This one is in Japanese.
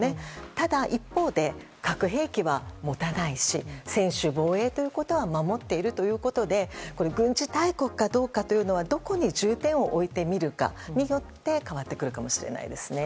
ただ、一方で核兵器は持たないし専守防衛ということは守っているということで軍事大国かどうかというのはどこに重点を置いて見るかによって変わってくるかもしれないです。